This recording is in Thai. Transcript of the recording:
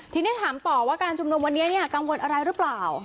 ทีนี้ถามต่อว่าการชุมนุมวันนี้กังวลอะไรหรือเปล่า